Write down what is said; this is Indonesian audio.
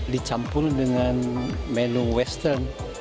dicampur dengan menu western